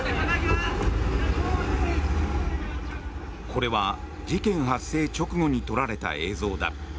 これは事件発生直後に撮られた映像だ。